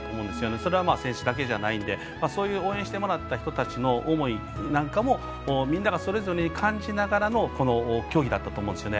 それは選手たちだけじゃないんで応援してもらった人たちの思いなんかもみんながそれぞれ感じながらのこの競技だったと思うんですね。